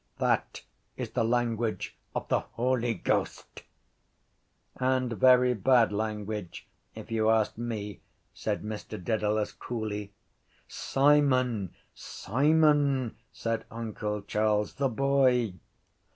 _ That is the language of the Holy Ghost. —And very bad language if you ask me, said Mr Dedalus coolly. —Simon! Simon! said uncle Charles. The boy.